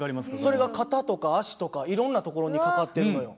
それが肩とか足とかいろんなところにかかってるのよ。